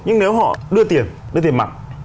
nhưng nếu họ đưa tiền đưa tiền mặt